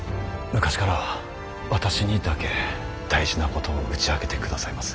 昔から私にだけ大事なことを打ち明けてくださいます。